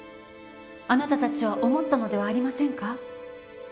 あなたたちは思ったのではありませんか？